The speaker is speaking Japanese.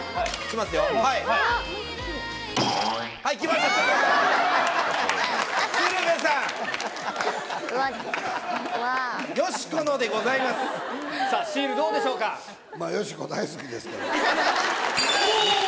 まぁよしこ大好きですから。